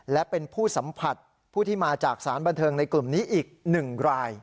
และเป็นผู้สัมผัสผู้ที่มาจากสารบันเทิงในกลุ่มนี้อีก๑ราย